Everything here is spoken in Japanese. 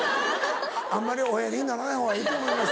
あんまりおやりにならないほうがいいと思います。